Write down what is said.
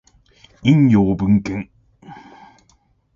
引用文献